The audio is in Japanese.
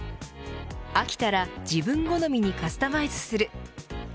飽きたら自分好みにカスタマイズする。